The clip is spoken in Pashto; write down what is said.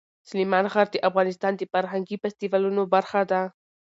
سلیمان غر د افغانستان د فرهنګي فستیوالونو برخه ده.